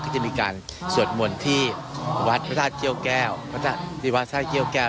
ก็จะมีการสวดมนต์ที่วัดพระธาตุเกี่ยวแก้วที่วัดท่าเกี้ยวแก้ว